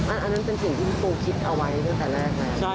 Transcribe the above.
อันนั้นเป็นสิ่งที่คุณปูคิดเอาไว้ตั้งแต่แรกแล้ว